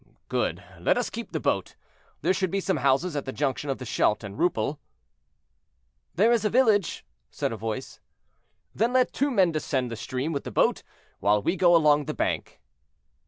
"Good! let us keep the boat. There should be some houses at the junction of the Scheldt and Rupel?" "There is a village," said a voice. "Then let two men descend the stream with the boat, while we go along the bank."